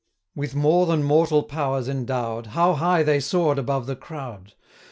165 With more than mortal powers endow'd, How high they soar'd above the crowd!